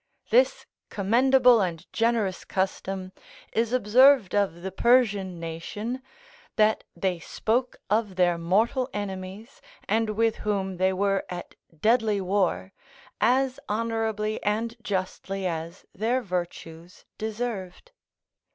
This commendable and generous custom is observed of the Persian nation, that they spoke of their mortal enemies and with whom they were at deadly war, as honourably and justly as their virtues deserved.